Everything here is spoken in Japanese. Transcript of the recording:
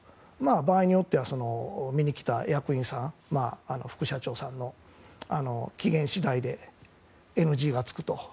場合によっては見に来た役員さん、副社長さんの機嫌次第でＮＧがつくと。